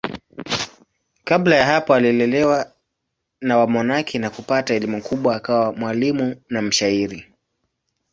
Kabla ya hapo alilelewa na wamonaki na kupata elimu kubwa akawa mwalimu na mshairi.